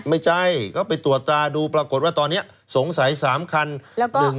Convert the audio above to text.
ไม่ใช่ก็ไปตรวจตราดูปรากฏว่าตอนนี้สงสัย๓คัน